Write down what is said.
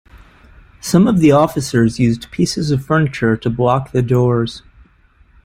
Some of the officers used pieces of furniture to block the doors.